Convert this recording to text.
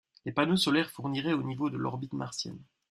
Les panneaux solaires fourniraient au niveau de l'orbite martienne.